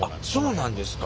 そうなんですか。